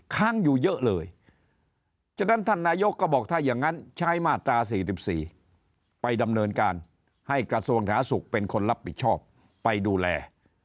ค้างอยู่เยอะเลยฉะนั้นท่านนายกก็บอกถ้าอย่างนั้นใช้มาตรา๔๔ไปดำเนินการให้กระทรวงสาธารณสุขเป็นคนรับผิดชอบไปดูแล